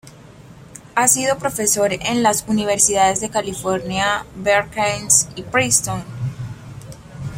Ha sido profesor en las Universidades de California, Berkeley y Princeton.